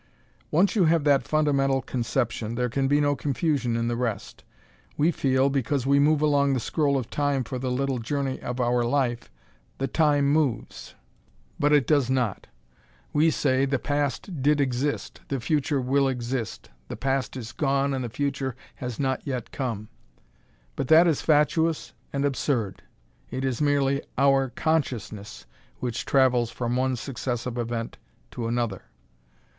Once you have that fundamental conception, there can be no confusion in the rest. We feel, because we move along the scroll of Time for the little journey of our life, that Time moves; but it does not. We say, The past did exist; the future will exist. The past is gone and the future has not yet come. But that is fatuous and absurd. It is merely our consciousness which travels from one successive event to another.